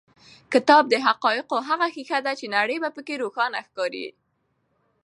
کتاب د حقایقو هغه ښیښه ده چې نړۍ په کې روښانه ښکاري.